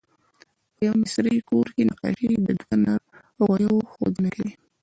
په یوه مصري ګور کې نقاشي د دوه نر غوایو ښودنه کوي.